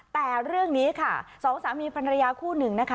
แต่เรื่องนี้ค่ะสองสามีภรรยาคู่หนึ่งนะคะ